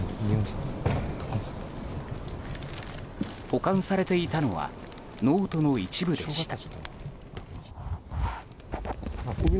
保管されていたのはノートの一部でした。